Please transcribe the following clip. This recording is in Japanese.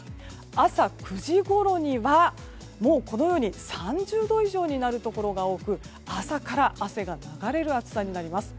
朝９時ごろには、このように３０度以上になるところが多く朝から汗が流れる暑さになります。